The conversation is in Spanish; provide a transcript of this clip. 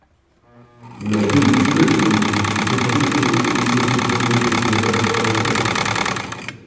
La Bi-Bestia desaparece y se supone que se ha ahogado.